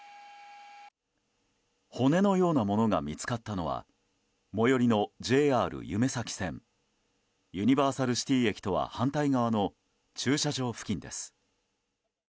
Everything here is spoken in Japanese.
骨のようなものが見つかったのは最寄りのＪＲゆめ咲線ユニバーサルシティ駅とは反対側の駐車場付近です。